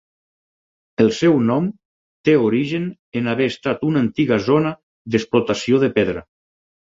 El seu nom té origen en haver estat una antiga zona d'explotació de pedra.